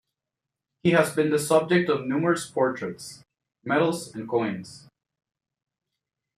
He has been a subject of numerous portraits, medals and coins.